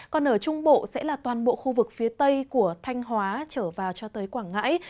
còn ở trung bộ sẽ là toàn bộ khu vực phía tây của thanh hóa trở vào cho tới quảng ngãi